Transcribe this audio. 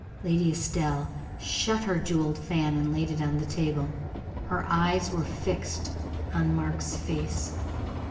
Lady Estelle shut her jeweled fan, and laid it on the table. Her eyes were fixed on Mark's face.